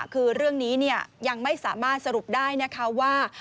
คือเรื่องนี้ยังไม่สามารถสรุปได้นะคะว่า